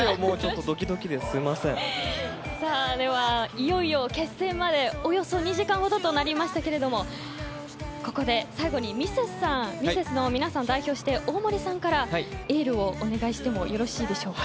いよいよ決戦までおよそ２時間ほどとなりましたがここで最後にミセスの皆さんを代表して大森さんからエールをお願いしてもよろしいでしょうか。